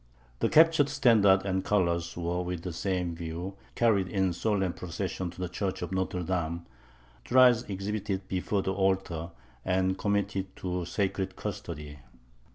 The captured standards and colours were, with the same view, carried in solemn procession to the church of Notre Dame, thrice exhibited before the altar, and committed to sacred custody.